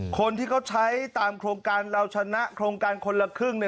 คนที่เขาใช้ตามโครงการเราชนะโครงการคนละครึ่ง